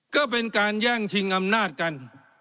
ก็เป็นการแย่งชิงอำนาจกัน